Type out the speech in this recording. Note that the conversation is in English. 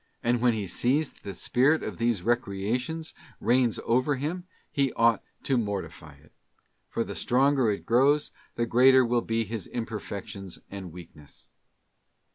And when he sees that the spirit of these recreations reigns over him, he ought to mortify it; for the stronger it grows, the greater will be his imperfections and weakness.